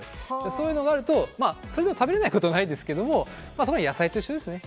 そういうのがあると、それでも食べれないこともないですけど野菜と一緒です。